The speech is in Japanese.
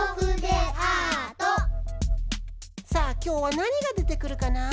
さあきょうはなにがでてくるかな？